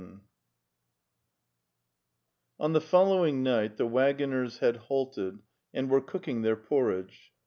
" VII On the following night the waggoners had halted and were cooking their porridge.